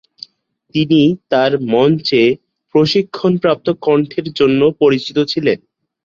তিনি তার মঞ্চে প্রশিক্ষণপ্রাপ্ত কণ্ঠের জন্য পরিচিত ছিলেন।